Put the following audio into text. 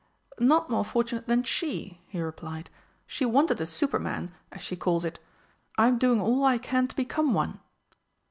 "Not more fortunate than she," he replied. "She wanted a Superman, as she calls it. I am doing all I can to become one."